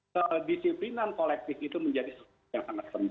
kedisiplinan kolektif itu menjadi sesuatu yang sangat penting